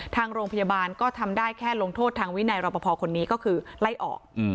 ทางโรงพยาบาลก็ทำได้แค่ลงโทษทางวินัยรอปภคนนี้ก็คือไล่ออก